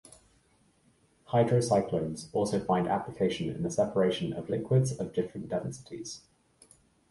Hydrocyclones also find application in the separation of liquids of different densities.